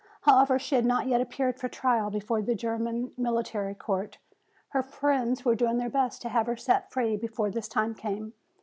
However, she had not yet appeared for trial before the German Military Court. Her friends were doing their best to have her set free before this time came.